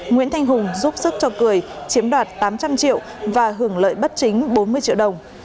nguyễn thanh hùng giúp sức cho cười chiếm đoạt tám trăm linh triệu và hưởng lợi bất chính bốn mươi triệu đồng